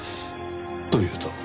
というと？